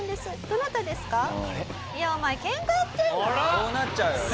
そうなっちゃうよね。